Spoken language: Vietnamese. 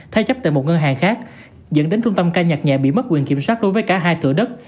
thế chấp tại một ngân hàng khác dẫn đến trung tâm ca nhạc nhẹ bị mất quyền kiểm soát đối với cả hai thửa đất